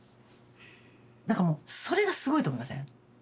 だからそれがすごいと思いません？